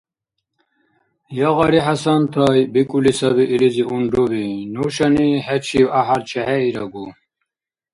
— Ягъари, ХӀясантай, — бикӀули саби илизи унруби, — нушани хӀечив гӀяхӀял чехӀеирагу?